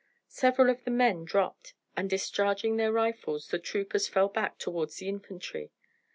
Several of the men dropped, and discharging their rifles, the troopers fell back towards the infantry.